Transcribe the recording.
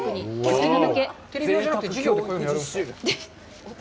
好きなだけ。